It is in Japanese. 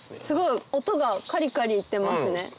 すごい音がカリカリいってますね。